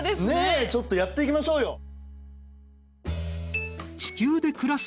ねえちょっとやっていきましょうよ。